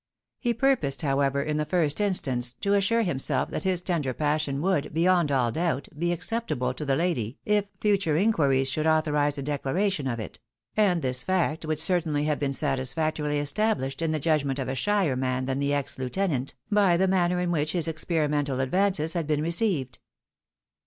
He purposed, however, in the first instance, to assure himself that his tender passion would, beyond aU doubt, be acceptable to> the lady, if future inquiries should authorise a declaration of it ; and this fact would cer tainly have been satisfactorily established in the judgment of a shyer man than the ex lieutenant, by the manner iu which his experimental advances had been received.